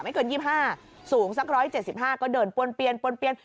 ไม่เกิน๒๕สูงสัก๑๗๕ก็เดินปวนเปียน